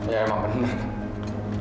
ya emang bener